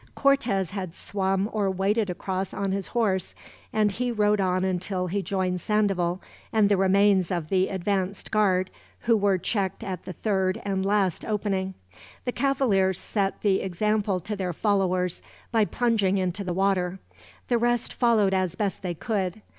Cortez had swum or waded across on his horse, and he rode on until he joined Sandoval and the remains of the advanced guard, who were checked at the third and last opening. The cavaliers set the example to their followers by plunging into the water. The rest followed as best they could.